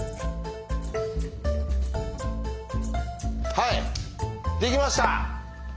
はいできました！